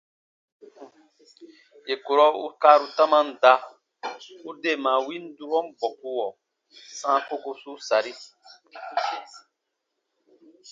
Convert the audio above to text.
Yè kurɔ u kaaru tamam da, u deema win durɔn bɔkuɔ sãa kokosu sari.